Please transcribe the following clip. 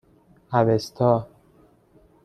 اَوستا